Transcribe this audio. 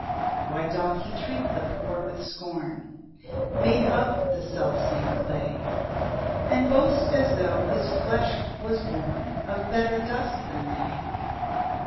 2 [Why doth he treat the poor with scorn, Made of the self same clay, And boast as tho' his flesh was born Of better dust than they?